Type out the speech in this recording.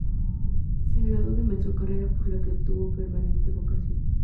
Se graduó de maestro, carrera por la que tuvo permanente vocación.